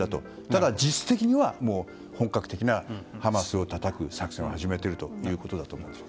ただ実質的には本格的なハマスをたたく作戦を始めているということだと思います。